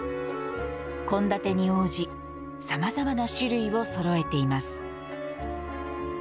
献立に応じ様々な種類をそろえています。